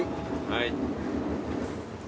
はい。